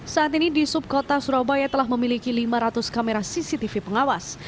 saat ini di subkota surabaya telah memiliki lima ratus kamera cctv pengawas